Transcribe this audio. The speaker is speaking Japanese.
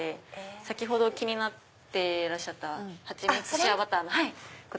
先ほど気になっていらっしゃったはちみつ＆シアバター。